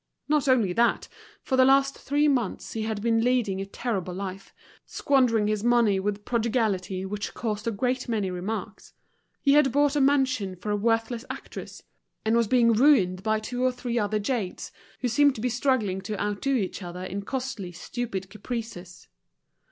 Not only that, for the last three months he had been leading a terrible life, squandering his money with a prodigality which caused a great many remarks; he had bought a mansion for a worthless actress, and was being ruined by two or three other jades, who seemed to be struggling to outdo each other in costly, stupid caprices.